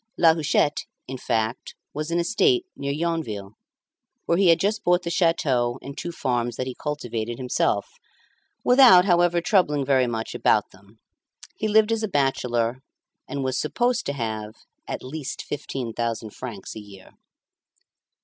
La Huchette, in fact, was an estate near Yonville, where he had just bought the château and two farms that he cultivated himself, without, however, troubling very much about them. He lived as a bachelor, and was supposed to have "at least fifteen thousand francs a year."